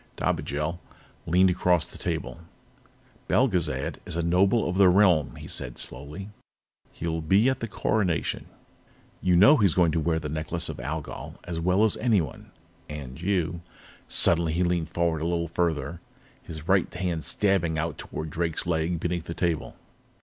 Dobigel leaned across the table. "Belgezad is a Noble of the Realm," he said slowly. "He'll be at the Coronation. You know he's going to wear the Necklace of Algol as well as anyone, and you " Suddenly, he leaned forward a little farther, his right hand stabbing out toward Drake's leg beneath the table.